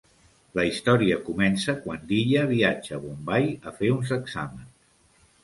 La història comença quan Diya viatja a Bombai a fer uns exàmens.